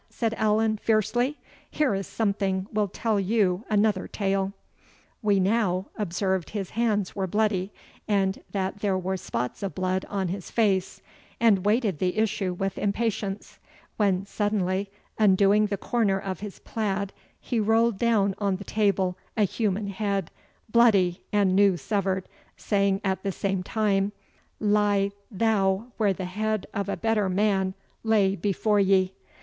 said Allan, fiercely; 'here is something will tell you another tale.' "We now observed his hands were bloody, and that there were spots of blood on his face, and waited the issue with impatience; when suddenly, undoing the corner of his plaid, he rolled down on the table a human head, bloody and new severed, saying at the same time, 'Lie thou where the head of a better man lay before ye.